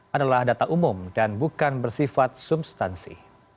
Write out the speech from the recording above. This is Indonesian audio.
adalah data umum dan bukan bersifat substansi